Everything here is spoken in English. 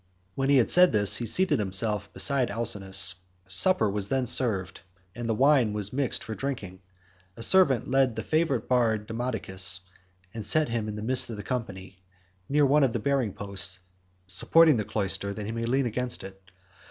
When he had said this, he seated himself beside Alcinous. Supper was then served, and the wine was mixed for drinking. A servant led in the favourite bard Demodocus, and set him in the midst of the company, near one of the bearing posts supporting the cloister, that he might lean against it.